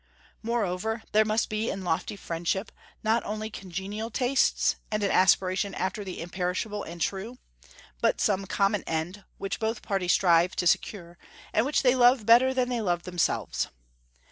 Moreover, there must be in lofty friendship not only congenial tastes, and an aspiration after the imperishable and true, but some common end which both parties strive to secure, and which they love better than they love themselves.